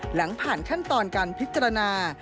หลังผ่านขั้นตอนการพิจารณา